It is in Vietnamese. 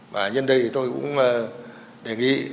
và nhân đây tôi cũng đề nghị